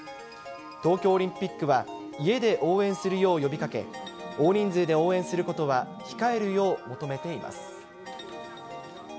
東京オリンピックは家で応援するよう呼びかけ、大人数で応援することは控えるよう求めています。